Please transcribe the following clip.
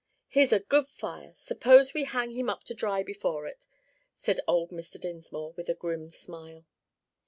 "Here's a good fire; suppose we hang him up to dry before it," said old Mr. Dinsmore with a grim smile.